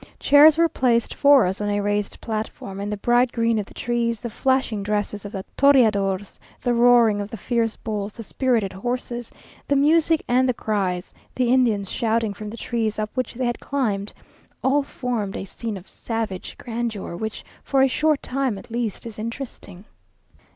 Chairs were placed for us on a raised platform; and the bright green of the trees, the flashing dresses of the toreadors, the roaring of the fierce bulls, the spirited horses, the music and the cries; the Indians shouting from the trees up which they had climbed; all formed a scene of savage grandeur, which for a short time at least is interesting.